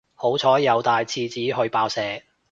好彩有帶廁紙去爆石